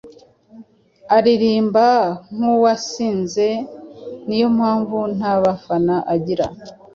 Aririmba nkuwasinze niyo mpamvu ntabafana agira